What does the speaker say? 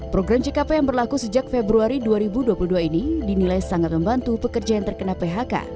program jkp yang berlaku sejak februari dua ribu dua puluh dua ini dinilai sangat membantu pekerja yang terkena phk